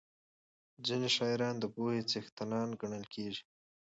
ځینې شاعران د پوهې څښتنان ګڼل کېږي.